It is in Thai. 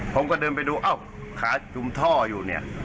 ผมก็เดินไปดูอ้าวขาจุมท่ออยู่เนี่ย